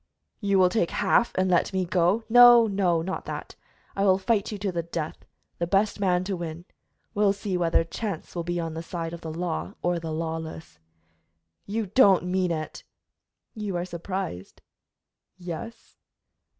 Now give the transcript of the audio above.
"You will take half and let me go " "No, no, not that; I will fight you to the death, the best man to win. We'll see whether chance will be on the side of the law or the lawless." "You don't mean it!" "You are surprised?" "Yes."